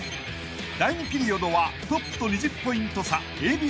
［第２ピリオドはトップと２０ポイント差